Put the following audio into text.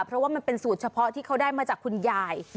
เพราะว่ามันเป็นสูตรเฉพาะที่เขาได้มาจากคุณยาย